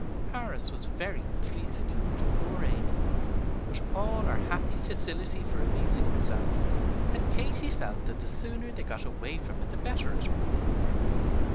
Paris was very triste to poor Amy, with all her happy facility for amusing herself; and Katy felt that the sooner they got away from it the better it would be.